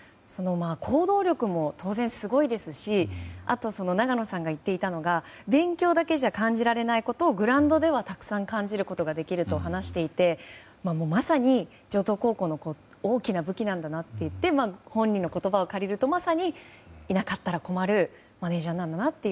行動力も当然すごいですしあと永野さんが言っていたのが勉強だけじゃ感じられないことをグラウンドではたくさん感じることができると話していてまさに城東高校の大きな武器なんだなって台風６号の最新情報眞家さん、お願いします。